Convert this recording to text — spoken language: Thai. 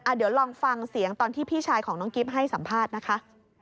เดี๋ยวลองฟังเสียงตอนที่พี่ชายของน้องกิ๊บให้สัมภาษณ์นะคะ